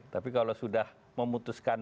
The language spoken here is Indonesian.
tapi kalau sudah memutuskan